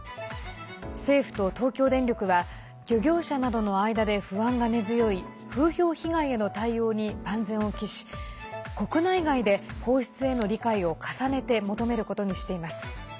政府と東京電力は漁業者などの間で不安が根強い風評被害への対応に万全を期し国内外で放出への理解を重ねて求めることにしています。